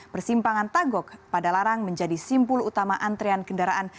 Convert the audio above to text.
persimpangan tagok pada larang menjadi simpul utama antrean kendaraan